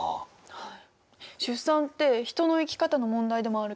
はい。